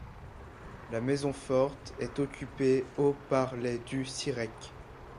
La maison forte est occupée au par les du Sirech.